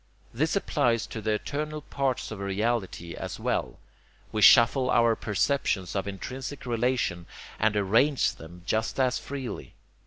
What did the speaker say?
This applies to the 'eternal' parts of reality as well: we shuffle our perceptions of intrinsic relation and arrange them just as freely.